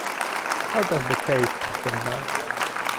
How does the case stand now?